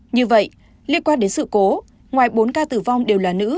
như vậy liên quan đến sự cố ngoài bốn ca tử vong đều là nữ